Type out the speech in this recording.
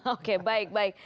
oke baik baik